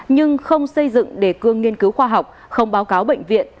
nhưng không xây dựng đề cương nghiên cứu khoa học không báo cáo bệnh viện